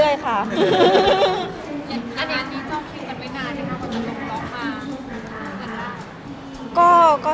อันนี้เจ้าคิดกันไม่นานหรือครับว่าจะตกต่อค่า